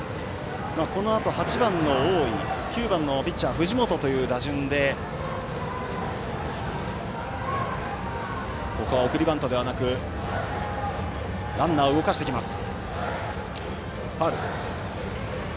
このあと８番の大井９番のピッチャーの藤本という打順でここは、送りバントではなくランナーを動かしてきます。